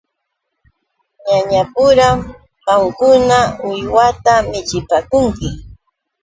Ñañapuram qamkuna uwihata michipaakunki.